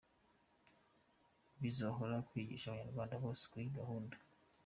, bizoroha kwigisha Abanyarwanda bose iyi gahunda.